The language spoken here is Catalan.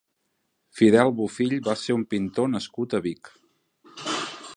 Fidel Bofill va ser un pintor nascut a Vic.